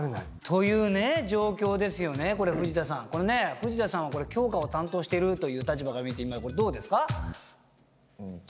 藤田さんは強化を担当してるという立場から見て今これどうですか？